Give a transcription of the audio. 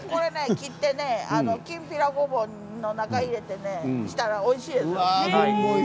切ってきんぴらごぼうの中に入れたら、おいしいですよ。